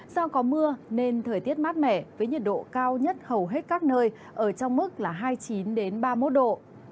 do có mưa nên thời tiết mát mẻ với nhiệt độ cao nhất hầu hết các nơi ở trong mức là hai mươi chín ba mươi một độ